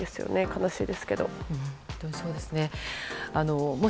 悲しいですけれども。